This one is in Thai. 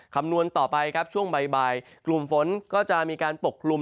คำนวณต่อไปครับช่วงบ่ายกลุ่มฝนก็จะมีการปกกลุ่ม